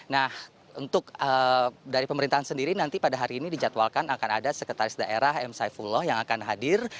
nah untuk dari pemerintahan sendiri nanti pada hari ini dijadwalkan akan ada sekretaris daerah m saifullah yang akan hadir